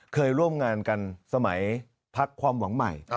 เคยร่วมงานกันสมัยพักความหวังใหม่